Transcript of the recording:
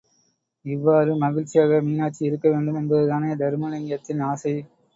இவ்வாறு மகிழ்ச்சியாக மீனாட்சி இருக்க வேண்டும் என்பதுதானே தருமலிங்கத்தின் ஆசை!